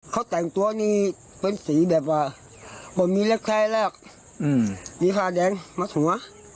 เขาแต่งตัวนี่เป็นสีแบบว่าบนมีเล็กแล้วก็มีภาพแดงมัดหัว